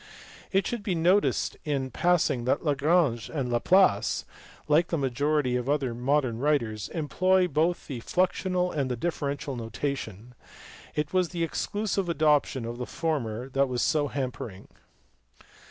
It should be noticed in passing that Lagrange and Laplace, like the majority of other modern writers, employ both the fluxional and the differential notation ; it was the exclusive adoption of the former that was so hampering.